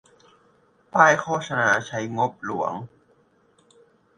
ป้ายโฆษณาใช้งบหลวง